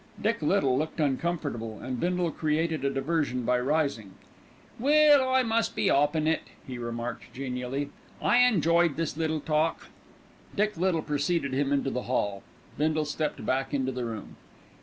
Dick Little looked uncomfortable, and Bindle created a diversion by rising. "Well, I must be 'oppin' it," he remarked genially. "I enjoyed this little talk." Dick Little preceded him into the hall. Bindle stepped back into the room.